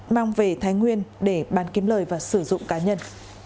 mang về thái nguyên để bán kiếm lời và sử dụng cá nhân